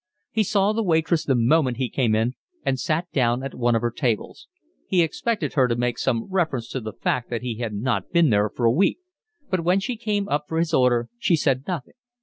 He saw the waitress the moment he came in and sat down at one of her tables. He expected her to make some reference to the fact that he had not been there for a week, but when she came up for his order she said nothing.